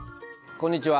こんにちは。